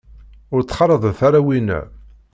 Ur ttxalaḍet ara winna.